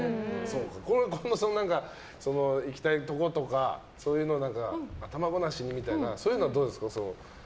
行きたいところとかそういうの頭ごなしにみたいなのはどうですか？